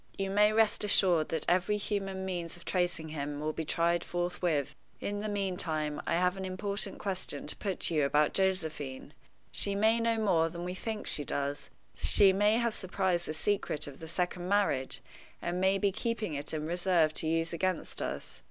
You may rest assured that every human means of tracing him will be tried forthwith. In the meantime, I have an important question to put to you about Josephine. She may know more than we think she does; she may have surprised the secret of the second marriage, and may be keeping it in reserve to use against us.